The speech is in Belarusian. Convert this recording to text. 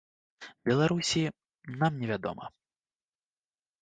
Беларусі, нам не вядома.